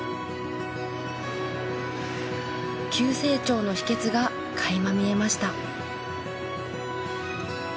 急成長の秘訣が垣間見えました。